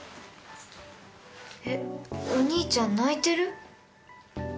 えっお兄ちゃん泣いてる？